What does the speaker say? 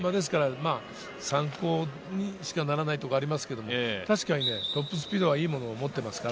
参考にしかならないところがありますけれど、確かにトップスピードはいいものを持っています。